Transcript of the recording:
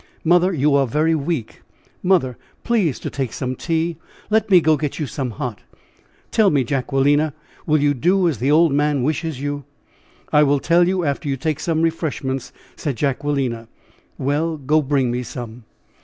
"Mother, you are very weak; mother, please to take some tea; let me go get you some hot." "Tell me, Jacquelina; will you do as the old man wishes you?" "I will tell you after you take some refreshments," said Jacquelina. "Well! go bring me some."